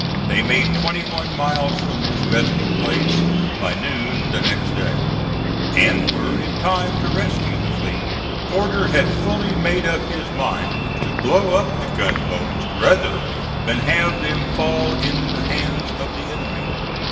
They made twenty one miles from this resting place by noon the next day, and were in time to rescue the fleet. Porter had fully made up his mind to blow up the gunboats rather than have them fall into the hands of the enemy.